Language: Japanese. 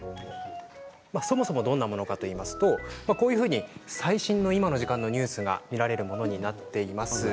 そもそもどんなものかといいますとこういうふうに最新の今の時間のニュースが見られるものになっています。